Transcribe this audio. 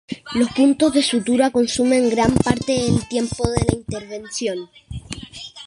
Los puntos de sutura consumen gran parte del tiempo de la intervención.